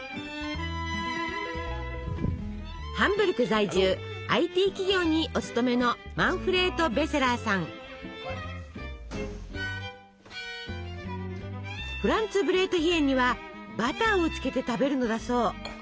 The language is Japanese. ハンブルク在住ＩＴ企業にお勤めのフランツブレートヒェンにはバターをつけて食べるのだそう。